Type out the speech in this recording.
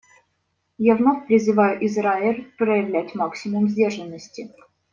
Я вновь призываю Израиль проявлять максимум сдержанности.